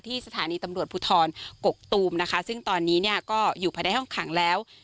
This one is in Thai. สถานีตำรวจภูทรกกตูมนะคะซึ่งตอนนี้เนี่ยก็อยู่ภายในห้องขังแล้ว